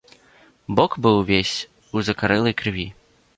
Бок быў увесь у закарэлай крыві.